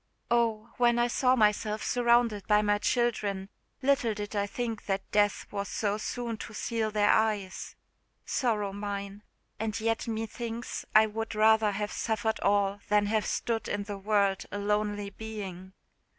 Oh! when I saw myself surrounded by my children, little did I think that death was so soon to seal their eyes! Sorrow mine! and yet me thinks I would rather have suffered all than have stood in the world a lonely being.